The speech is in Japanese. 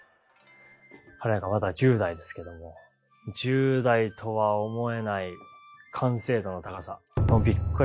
彼なんかまだ１０代ですけども１０代とは思えない完成度の高さ。